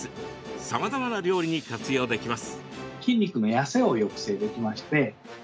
さまざまな料理に活用できます。